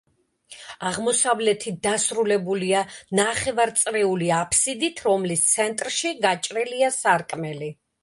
აღმოსავლეთით დასრულებულია ნახევარწრიული აბსიდით, რომლის ცენტრში გაჭრილია სარკმელი.